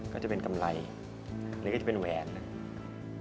ก็จะเป็นกำไรมาเป็นแวนน่ะ